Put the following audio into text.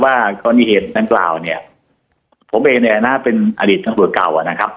ว่าตอนที่เห็นนั้นกล่าวเนี้ยผมเองเนี้ยนะเป็นอดีตทั้งตัวเก่าอ่ะนะครับ